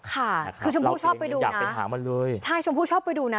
คือเชิงผู้ชอบไปดูนะ